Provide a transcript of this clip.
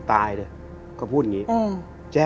อ้า